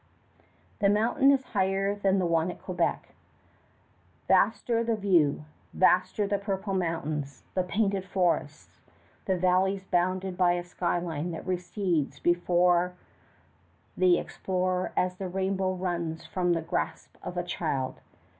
The mountain is higher than the one at Quebec. Vaster the view vaster the purple mountains, the painted forests, the valleys bounded by a sky line that recedes before the explorer as the rainbow runs from the grasp of a child.